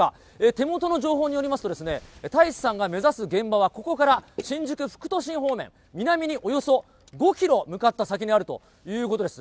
手元の情報によりますとですね、太一さんが目指す現場は、ここから新宿副都心方面、南におよそ５キロ向かった先にあるということです。